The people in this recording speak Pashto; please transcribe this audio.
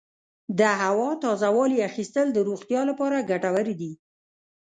د هوا تازه والي اخیستل د روغتیا لپاره ګټور دي.